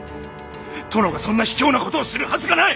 殿がそんな卑怯なことをするはずがない！